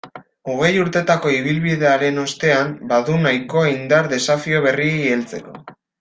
Hogei urtetako ibilbidearen ostean, badu nahikoa indar desafio berriei heltzeko.